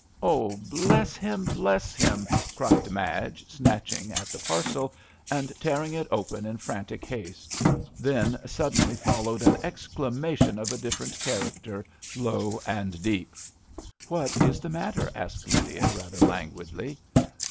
" Oh, bless him ! bless him I " cried Madge, snatching at the A RAINY DAY. I43 parcel, and tearing it open in frantic baste; then suddenly followed an exclamation of a different character, low and deep. " What is the matter ?" asked Lydia, rather languidly.